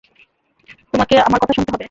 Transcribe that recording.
তোমাকে আমার কথা শুনতে হবে।